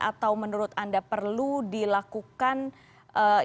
atau menurut anda perlu dilakukan